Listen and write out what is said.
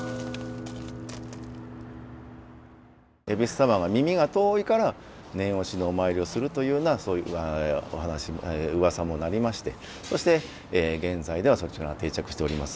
戎様は耳が遠いから念押しのお参りをするというようなそういううわさもなりましてそして現在ではそちらが定着しております。